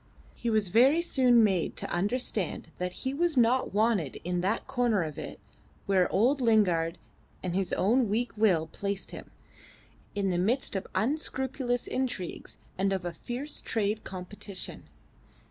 He was very soon made to understand that he was not wanted in that corner of it where old Lingard and his own weak will placed him, in the midst of unscrupulous intrigues and of a fierce trade competition.